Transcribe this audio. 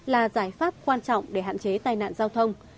là giải pháp quan trọng để hạn chế tai nạn giao thông